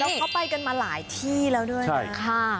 แล้วเขาไปกันมาหลายที่แล้วด้วยนะคะ